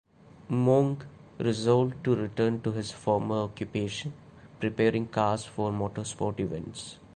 Monge resolved to return to his former occupation, preparing cars for motor sport events.